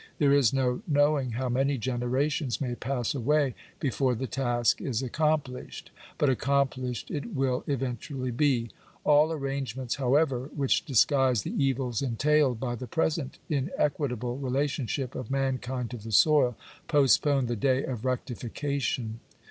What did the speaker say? There is no knowing how many generations may pass away before the task is accomplished. But accomplished it will eventually be. All arrangements, however, which disguise the evils entailed by the present inequitable relationship of mankind to the soil, postpone the day of rectification.